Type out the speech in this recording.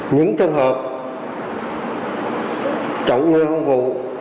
những trường hợp chống người không vụ